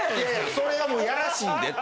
それはもうやらしいでと。